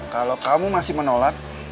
kalau kamu masih menolak